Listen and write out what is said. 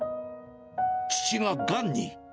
父ががんに。